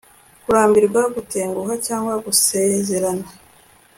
Kurambirwa gutenguha cyangwa gusezerana